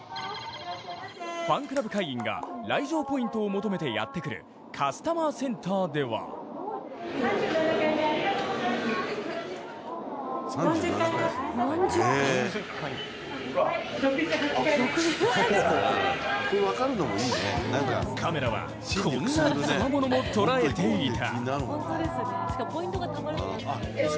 ファンクラブ会員が来場ポイントを求めてやってくるカスタマーセンターではカメラは、こんなつわものも捉えていた。